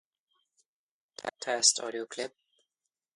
On Sundays, four trains run each way, to Carlisle and Whitehaven only.